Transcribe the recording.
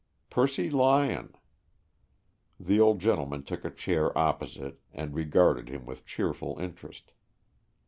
"Percy Lyon." The old gentleman took a chair opposite and regarded him with cheerful interest.